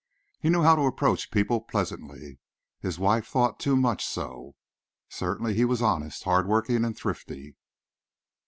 He knew how to approach people pleasantly. His wife thought too much so. Certainly he was honest, hard working, and thrifty.